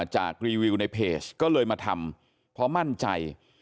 รีวิวในเพจก็เลยมาทำเพราะมั่นใจ